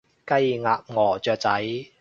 雞，鴨，鵝，雀仔